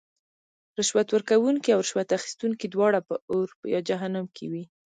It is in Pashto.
رشوت ورکوونکې او رشوت اخیستونکې دواړه به اور یا جهنم کې وی .